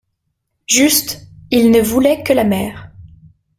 «, Juste ! il ne voulait que la mère.